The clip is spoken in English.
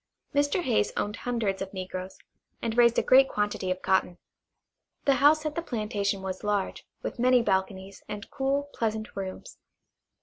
Mr. Hayes owned hundreds of negroes, and raised a great quantity of cotton. The house at the plantation was large, with many balconies, and cool, pleasant rooms.